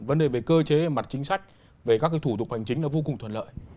vấn đề về cơ chế mặt chính sách về các thủ tục hoành chính là vô cùng thuận lợi